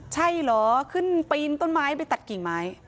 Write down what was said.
ใช่เหรอขึ้นปีนต้นไม้ไปตัดกิ่งไม้